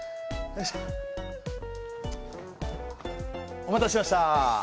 お待たせしました。